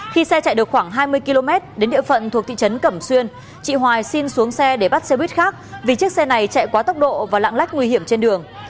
khi xe chạy được khoảng hai mươi km đến địa phận thuộc thị trấn cẩm xuyên chị hoài xin xuống xe để bắt xe buýt khác vì chiếc xe này chạy quá tốc độ và lạng lách nguy hiểm trên đường